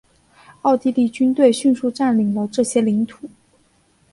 奥地利军队迅速占领了这些领土。